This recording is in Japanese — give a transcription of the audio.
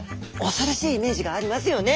恐ろしいイメージがありますよね。